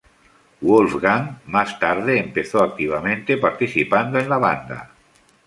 Wolfgang más tarde empezó activamente participando en la banda.